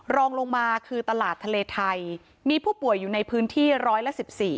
รองลงมาคือตลาดทะเลไทยมีผู้ป่วยอยู่ในพื้นที่ร้อยละ๑๔